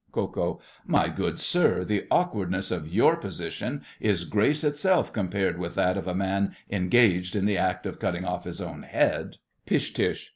KO. My good sir, the awkwardness of your position is grace itself compared with that of a man engaged in the act of cutting off his own head. PISH.